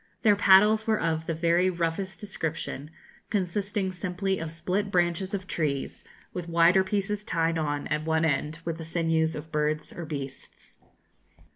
Their paddles were of the very roughest description, consisting simply of split branches of trees, with wider pieces tied on at one end with the sinews of birds or beasts.